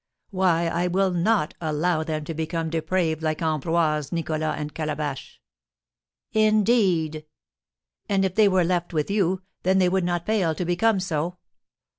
Why, I will not allow them to become depraved like Ambroise, Nicholas, and Calabash." "Indeed!" "And if they were left with you, then they would not fail to become so.